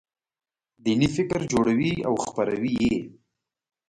دیني فکر جوړوي او خپروي یې.